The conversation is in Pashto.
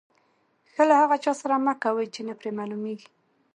ښه له هغه چا سره مه کوئ، چي نه پر معلومېږي.